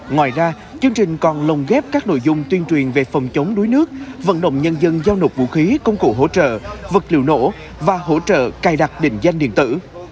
ngoài ra chương trình còn lồng ghép các nội dung tuyên truyền về phòng chống đuối nước vận động nhân dân giao nộp vũ khí công cụ hỗ trợ vật liệu nổ và hỗ trợ cài đặt đỉnh danh điện tử